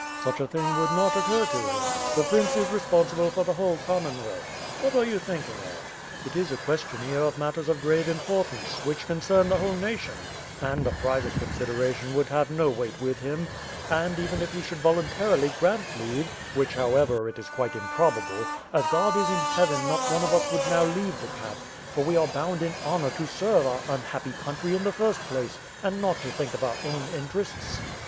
"Such a thing would not occur to him. The prince is re sponsible for the whole Commonwealth. What are you thinking of? It is a question here of matters of grave im portance, which concern the whole nation, and a private con sideration would have no weight with him. And, even if he should voluntarily grant leave — which however it quite improbable — ae God is in Heaven not one of us would now leave the camp, for we are bound in honor to serve our un happy country in the first place, and not to think of our own interests."